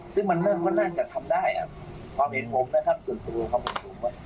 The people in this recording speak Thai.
ซึ่งมันเริ่มว่าน่าจะทำได้อ่ะความเห็นผมนะครับส่วนตัวความเป็นผม